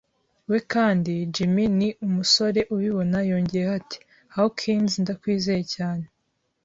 we, kandi Jim ni umusore ubibona. ” Yongeyeho ati: "Hawkins, ndakwizeye cyane."